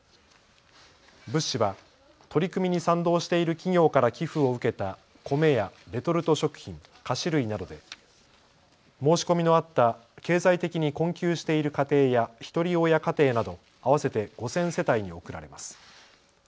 物資は取り組みに賛同している企業から寄付を受けた米やレトルト食品、菓子類などで申し込みのあった経済的に困窮している家庭やひとり親家庭など合わせて５０００世帯に送られます。